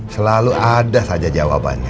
selalu ada saja jawabannya